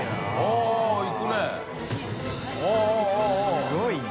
すごいな。